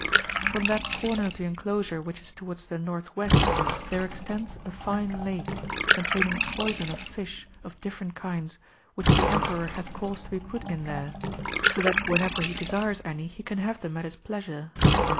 ] From that corner of the enclosure which is towards the north west there extends a fine Lake, containing foison of fish of different kinds which the Emperor hath caused to be put in there, so that whenever he desires any he can have them at his pleasure.